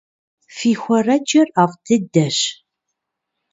Фи хуэрэджэр ӏэфӏ дыдэщ.